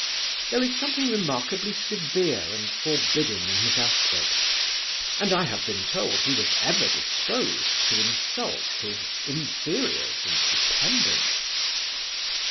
There is something remarkably severe and forbidding in his aspect; and, I have been told, he was ever disposed to insult his inferiors and dependants.